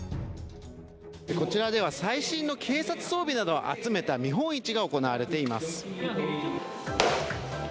こちらでは、最新の警察装備などを集めた見本市が行われています。